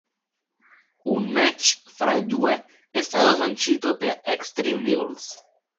Un match fra i due è stato sancito per Extreme Rules.